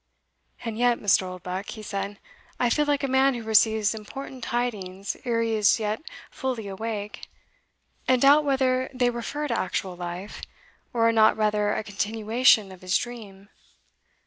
"And yet, Mr. Oldbuck," he said, "I feel like a man who receives important tidings ere he is yet fully awake, and doubt whether they refer to actual life, or are not rather a continuation of his dream.